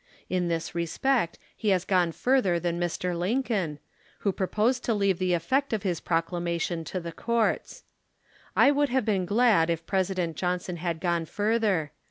In this respect he has gone further than Mr. Lincoln, who proposed to leave the eflect of his proclamation to the Courts. I would have been glad if President Johnson had gone further.